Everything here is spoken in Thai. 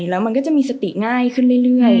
แล้วมันก็จะมีสติง่ายขึ้นเรื่อย